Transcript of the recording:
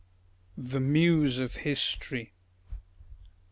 THE MUSE OF HISTORY.